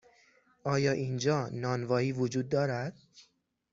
آیا اینجا نانوایی وجود دارد؟